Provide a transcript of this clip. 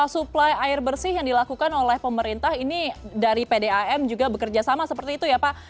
suplai air bersih yang dilakukan oleh pemerintah ini dari pdam juga bekerja sama seperti itu ya pak